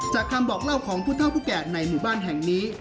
คำบอกเล่าของผู้เท่าผู้แก่ในหมู่บ้านแห่งนี้